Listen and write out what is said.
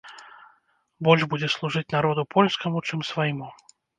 Больш будзе служыць народу польскаму, чым свайму!